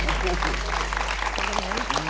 ไม่เป็นไร